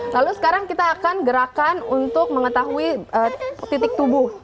lalu sekarang kita akan gerakan untuk mengetahui titik tubuh